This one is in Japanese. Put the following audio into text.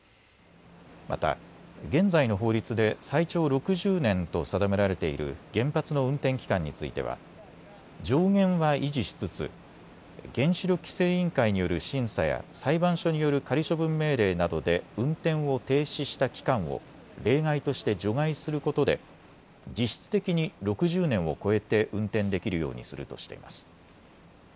また現在の法律で最長６０年と定められている原発の運転期間については上限は維持しつつ原子力規制委員会による審査や裁判所による仮処分命令などで運転を停止した期間を例外として除外することで実質的に６０年を超えて運転できるようにするとしています。